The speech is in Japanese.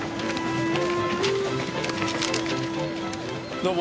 どうも。